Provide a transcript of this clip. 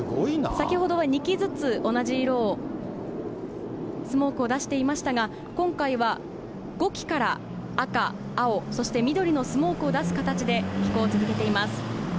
先ほどは２機ずつ同じ色を、スモークを出していましたが、今回は５機から赤、青、そして緑のスモークを出す形で飛行を続けています。